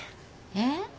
えっ？